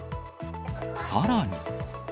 さらに。